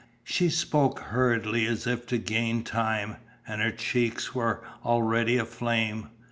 She spoke hurriedly, as if to gain time, and her cheeks were already aflame.